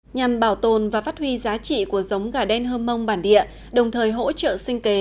nhằm bảo tồn và phát huy giá trị của giống gà đen hơm mông bản địa đồng thời hỗ trợ sinh kế